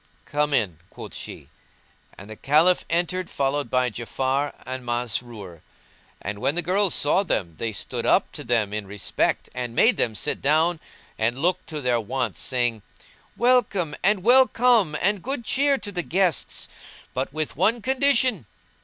"Come in," quoth she; and the Caliph entered followed by Ja'afar and Masrur; and when the girls saw them they stood up to them in respect and made them sit down and looked to their wants, saying, "Welcome, and well come and good cheer to the guests, but with one condition!"